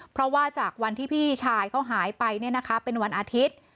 เพราะว่าจากวันที่พี่ชายเขาหายไปเป็นวันอาทิตย์